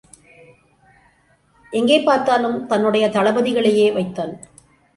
எங்கே பார்த்தாலும் தன்னுடைய தளபதிகளையே வைத்தான்.